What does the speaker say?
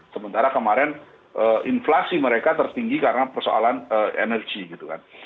karena kemarin inflasi mereka tertinggi karena persoalan energi gitu kan